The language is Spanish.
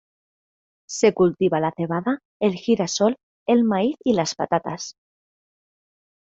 Se cultiva la cebada, el girasol, el maíz y las patatas.